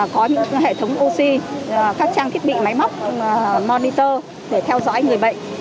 có những hệ thống oxy các trang thiết bị máy móc monitor để theo dõi người bệnh